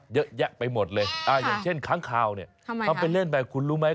เยอะแยะไปหมดเลยอย่างเช่นค้างคาวเนี่ยทำเป็นเล่นไปคุณรู้ไหม